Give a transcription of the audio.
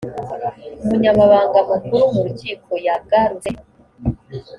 umunyamabanga mukuru mu rukiko yagarutse